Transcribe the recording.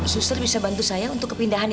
suster bisa bantu saya untuk kepindahan ya